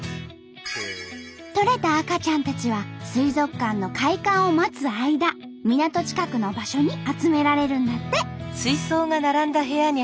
とれた赤ちゃんたちは水族館の開館を待つ間港近くの場所に集められるんだって。